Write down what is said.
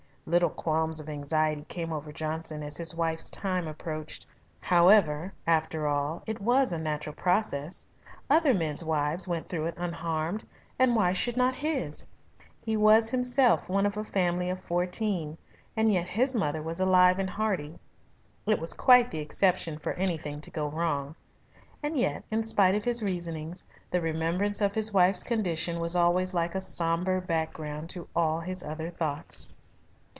Little qualms of anxiety came over Johnson as his wife's time approached. However, after all, it was a natural process. Other men's wives went through it unharmed, and why should not his? He was himself one of a family of fourteen, and yet his mother was alive and hearty. It was quite the exception for anything to go wrong. And yet in spite of his reasonings the remembrance of his wife's condition was always like a sombre background to all his other thoughts.